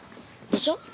でしょ？